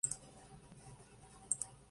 Además se emplean como herbicidas.